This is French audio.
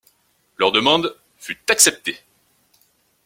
Leur demande fut acceptée.